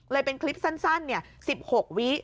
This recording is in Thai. เป็นคลิปสั้น๑๖วิ